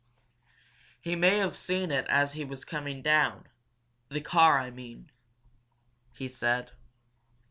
"He may have seen it as he was coming down the car, I mean," he said.